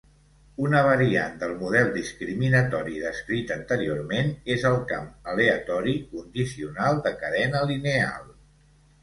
Una variant del model discriminatori descrit anteriorment és el camp aleatori condicional de cadena lineal.